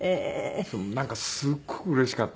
なんかすごくうれしかったですね。